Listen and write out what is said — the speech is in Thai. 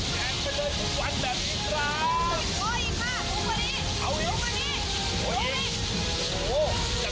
แล้วผู้ช่วงดีนั่นก็คือ